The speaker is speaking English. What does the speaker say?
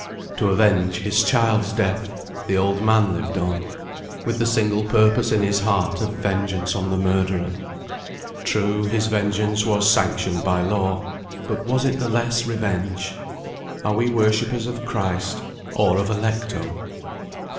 To avenge his child's death, the old man lived on; with the single purpose in his heart of vengeance on the murderer. True, his vengeance was sanctioned by law, but was it the less revenge? Are we worshippers of Christ? or of Alecto?